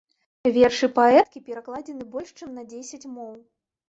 Вершы паэткі перакладзены больш чым на дзесяць моў.